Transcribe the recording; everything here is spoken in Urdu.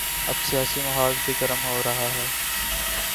اب سیاسی محاذ بھی گرم ہو رہا ہے۔